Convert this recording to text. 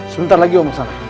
sebentar lagi om kesana